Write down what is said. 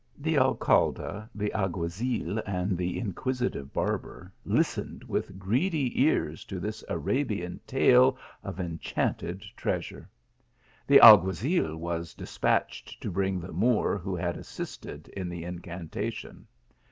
The Alcalde, the alguazil, and the inquisitive barber listened with greedy ears to this Arabian tale of enchanted treasure. The alguazil was despatched to bring the Moor who had assisted in the incantation.